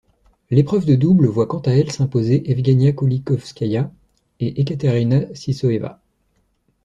L'épreuve de double voit quant à elle s'imposer Evgenia Kulikovskaya et Ekaterina Sysoeva.